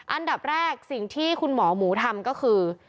อันดับแรกสิ่งที่คุณหมอหมูทำก็คือ